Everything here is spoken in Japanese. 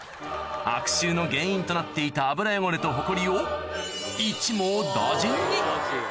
悪臭の原因となっていた油汚れとホコリを一網打尽に！